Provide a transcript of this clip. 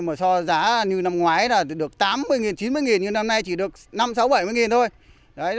mà so giá như năm ngoái là được tám mươi chín mươi nhưng năm nay chỉ được năm sáu bảy thôi